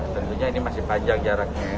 tentunya ini masih panjang jaraknya